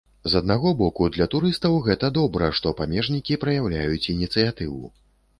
З аднаго боку, для турыстаў гэта добра, што памежнікі праяўляюць ініцыятыву.